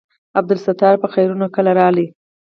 عبدالستاره په خيرونه کله رالې.